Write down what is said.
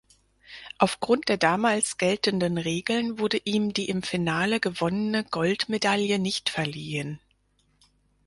Aufgrund der damals geltenden Regeln wurde ihm die im Finale gewonnene Goldmedaille nicht verliehen.